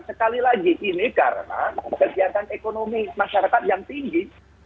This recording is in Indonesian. sekali lagi ini karena kegiatan ekonomi masyarakat yang tinggi